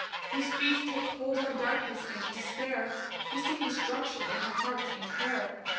Whose feet take hold on darkness and despair, Hissing destruction in her heart and hair!